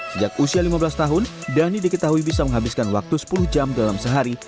sejak usia lima belas tahun dhani diketahui bisa menghabiskan waktu sepuluh jam dalam sehari